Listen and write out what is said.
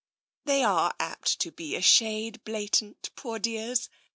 " They are apt to be a shade blatant, poor dears